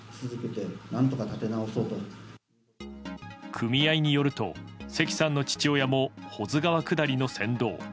組合によると関さんの父親も保津川下りの船頭。